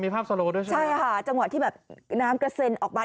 มีภาพโซโลด้วยใช่ไหมใช่ค่ะจังหวะที่แบบน้ำกระเซ็นออกมา